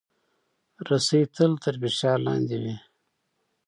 رسۍ تل تر فشار لاندې وي.